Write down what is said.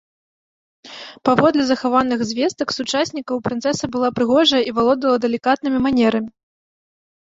Паводле захаваных звестак сучаснікаў прынцэса была прыгожая і валодала далікатнымі манерамі.